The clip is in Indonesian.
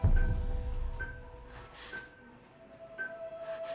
dia sudah berakhir